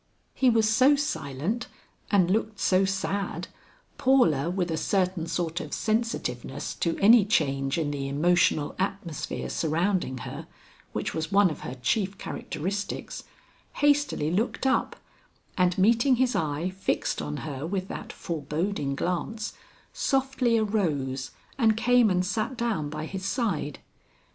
He was so silent and looked so sad, Paula with a certain sort of sensitiveness to any change in the emotional atmosphere surrounding her, which was one of her chief characteristics, hastily looked up and meeting his eye fixed on her with that foreboding glance, softly arose and came and sat down by his side.